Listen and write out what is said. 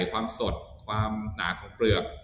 ความสดความหนาของเปลือก